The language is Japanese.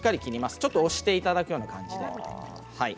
ちょっと押していただくような感じです。